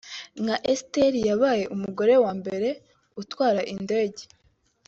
nka Esther yabaye umugore wa mbere utwara indege